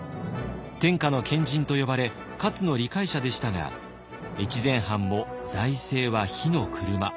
天下の賢人と呼ばれ勝の理解者でしたが越前藩も財政は火の車。